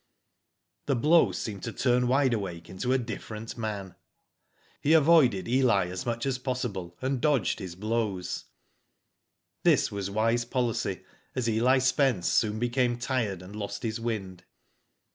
This blow seemed to turn Wide Awake into a different man, Digitized byGoogk OLD WIDE AWAKE, 89 He avoided Eli as much as possible, and dodged his blows. This was wise policy, as Eli Spence soon became tired, and lost his wind.